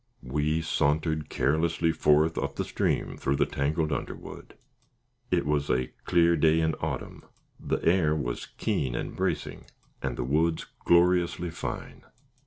We sauntered carelessly forth up the stream through the tangled underwood. It was a clear day in autumn; the air was keen and bracing, and the woods gloriously fine.